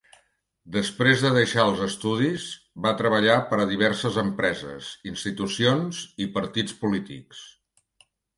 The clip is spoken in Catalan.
Després de deixar els estudis, va treballar per a diverses empreses, institucions i partits polítics.